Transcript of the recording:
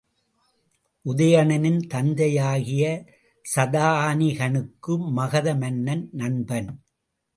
உதயணனின் தந்தையாகிய சதானிகனுக்கு மகத மன்னன் நண்பன்.